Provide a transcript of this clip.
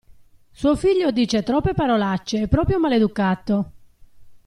Suo figlio dice troppe parolacce, è proprio maleducato.